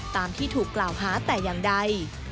ตามที่ถูกกล่าวหาแต่อย่างใด